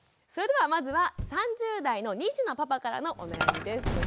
それではまずは３０代の２児のパパからのお悩みです。